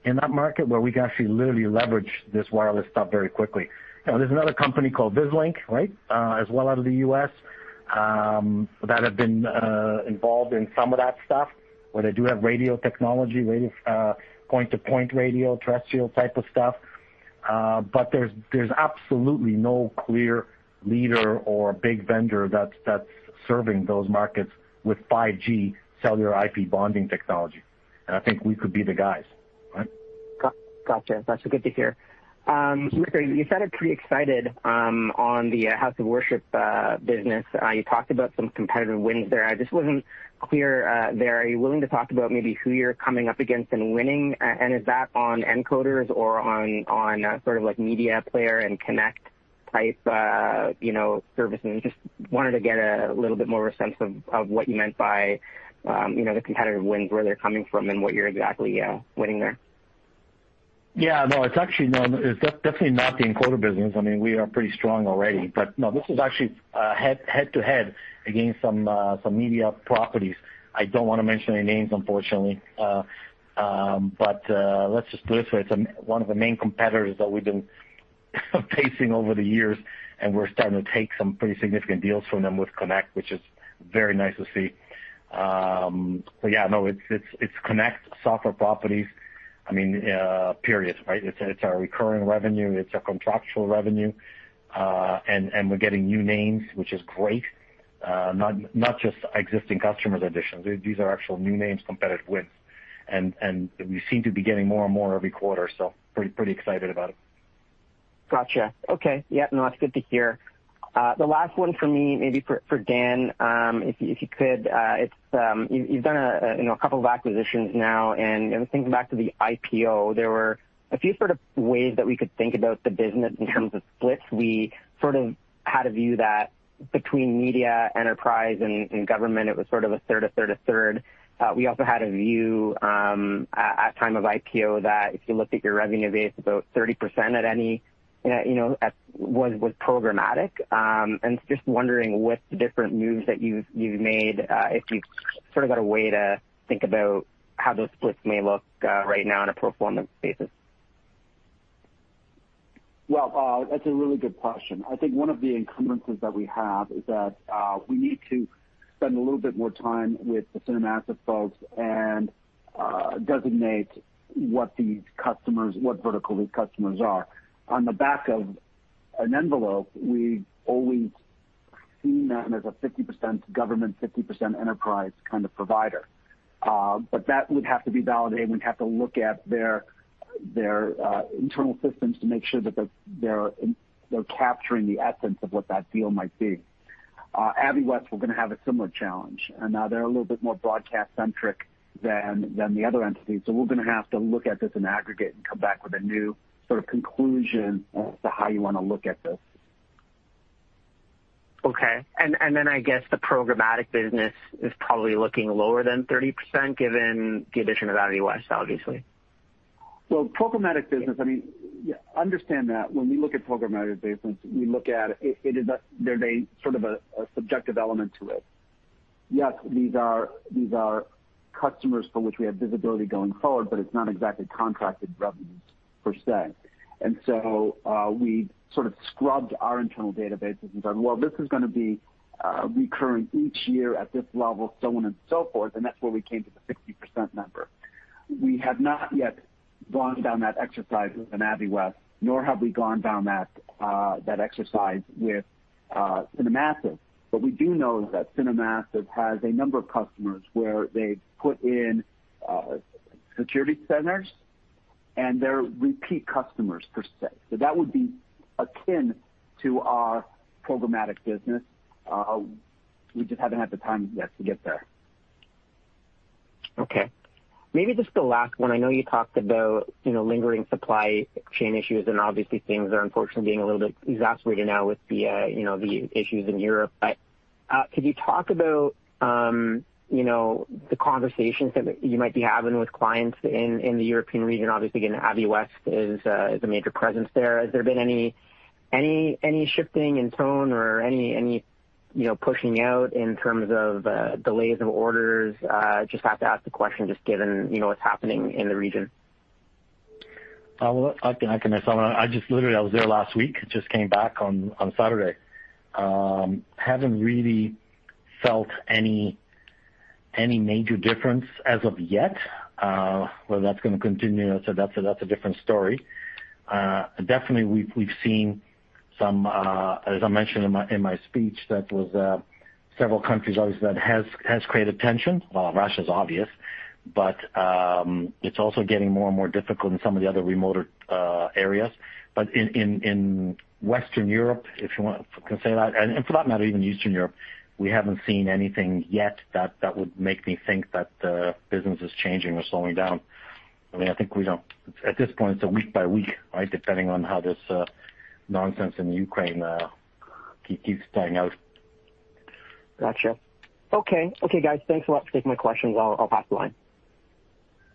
Speaker 2: in that market where we can actually literally leverage this wireless stuff very quickly. You know, there's another company called Vislink, right, as well out of the U.S., that have been involved in some of that stuff, where they do have radio technology, point-to-point radio, terrestrial type of stuff. There's absolutely no clear leader or big vendor that's serving those markets with 5G cellular IP bonding technology. I think we could be the guys, right?
Speaker 6: Gotcha. That's good to hear. Mirko, you sounded pretty excited on the House of Worship business. You talked about some competitive wins there. I just wasn't clear there. Are you willing to talk about maybe who you're coming up against and winning? Is that on encoders or on sort of like media player and connect type, you know, services? Just wanted to get a little bit more of a sense of what you meant by, you know, the competitive wins, where they're coming from and what you're exactly winning there.
Speaker 2: No, it's definitely not the encoder business. I mean, we are pretty strong already. This is actually head-to-head against some media properties. I don't wanna mention any names, unfortunately. Let's just put it this way. It's one of the main competitors that we've been facing over the years, and we're starting to take some pretty significant deals from them with Connect, which is very nice to see. It's Connect software properties, I mean, period, right? It's our recurring revenue, it's our contractual revenue, and we're getting new names, which is great. Not just existing customer additions. These are actual new names, competitive wins. We seem to be getting more and more every quarter, so pretty excited about it.
Speaker 6: Gotcha. Okay. Yeah, no, that's good to hear. The last one for me, maybe for Dan, if you could, you've done, you know, a couple of acquisitions now, and I was thinking back to the IPO. There were a few sort of ways that we could think about the business in terms of splits. We sort of had a view that between media, enterprise and government, it was sort of a third, a third, a third. We also had a view at time of IPO that if you looked at your revenue base, about 30% at any, you know, was programmatic. Just wondering, with the different moves that you've made, if you've sort of got a way to think about how those splits may look right now on a pro forma basis.
Speaker 3: Well, that's a really good question. I think one of the encumbrances that we have is that, we need to spend a little bit more time with the CineMassive folks and, designate what these customers, what vertical these customers are. On the back of an envelope, we always seen them as a 50% government, 50% enterprise kind of provider. But that would have to be validated. We'd have to look at their internal systems to make sure that they're capturing the essence of what that deal might be. Aviwest, we're gonna have a similar challenge, and, they're a little bit more broadcast-centric than the other entities. We're gonna have to look at this in aggregate and come back with a new sort of conclusion as to how you wanna look at this.
Speaker 6: I guess the programmatic business is probably looking lower than 30%, given the addition of Aviwest, obviously.
Speaker 3: Programmatic business, I mean, understand that when we look at programmatic business, we look at it. It is a sort of a subjective element to it. Yes, these are customers for which we have visibility going forward, but it's not exactly contracted revenues, per se. We sort of scrubbed our internal databases and said, "Well, this is gonna be recurring each year at this level," so on and so forth, and that's where we came to the 60% number. We have not yet gone down that exercise with Aviwest, nor have we gone down that exercise with CineMassive. We do know that CineMassive has a number of customers, where they've put in security centers and they're repeat customers, per se. That would be akin to our programmatic business. We just haven't had the time yet to get there.
Speaker 6: Okay. Maybe just the last one. I know you talked about, you know, lingering supply chain issues, and obviously things are unfortunately being a little bit exacerbated now with the, you know, the issues in Europe. Could you talk about, you know, the conversations that you might be having with clients in the European region? Obviously, again, Aviwest is a major presence there. Has there been any shifting in tone or any, you know, pushing out in terms of delays of orders? Just have to ask the question just given, you know, what's happening in the region.
Speaker 2: Well, I can answer. I just literally was there last week, just came back on Saturday. Haven't really felt any major difference as of yet. Whether that's gonna continue, that's a different story. Definitely we've seen some, as I mentioned in my speech, that was several countries obviously that has created tension. Russia's obvious, but it's also getting more and more difficult in some of the other remoter areas. But in Western Europe, if you want, can say that, and for that matter, even Eastern Europe, we haven't seen anything yet that would make me think that business is changing or slowing down. I mean, I think we don't. At this point it's a week by week, right? Depending on how this nonsense in Ukraine keeps playing out.
Speaker 6: Gotcha. Okay, guys. Thanks a lot for taking my questions. I'll pass the line.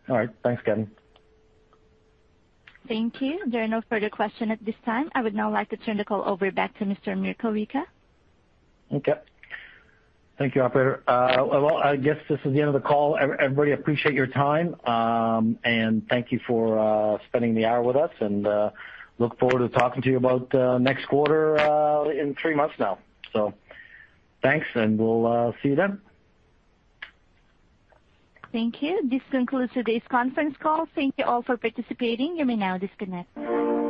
Speaker 2: All right. Thanks, Kevin.
Speaker 1: Thank you. There are no further questions at this time. I would now like to turn the call back over to Mr. Mirko Wicha.
Speaker 2: Okay. Thank you, operator. Well, I guess this is the end of the call. Everybody, appreciate your time, and thank you for spending the hour with us and look forward to talking to you about next quarter in three months now. Thanks, and we'll see you then.
Speaker 1: Thank you. This concludes today's conference call. Thank you all for participating. You may now disconnect.